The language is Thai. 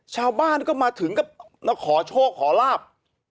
ชาวบ้านก็มาถึงก็มาขอโชคขอลาบ